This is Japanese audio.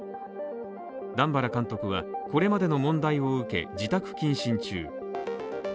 段原監督はこれまでの問題を受け自宅謹慎中。